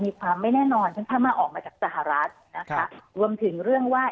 มีความไม่แน่นอนซึ่งถ้ามาออกมาจากสหรัฐนะคะรวมถึงเรื่องว่า